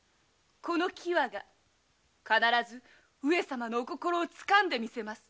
この喜和が必ず上様のお心をつかんでみせます。